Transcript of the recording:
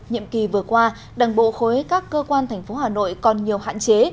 nhiệm kỳ vừa qua đảng bộ khối các cơ quan tp hà nội còn nhiều hạn chế